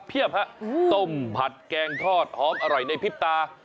เพียบครับต้มผัดแกงทอดหอมอร่อยในพิพย์ตา